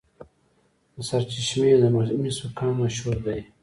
د سرچشمې د مسو کان مشهور دی.